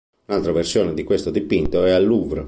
Un'altra versione di questo dipinto è al Louvre.